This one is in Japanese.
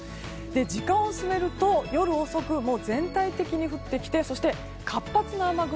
時間を進めると夜遅く、全体的に降ってきて活発な雨雲